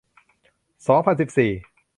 สองพันสิบสี่